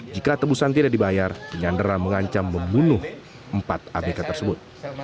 jika tebusan tidak dibayar penyandera mengancam membunuh empat abk tersebut